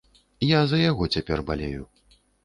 Я за яго цяпер балею.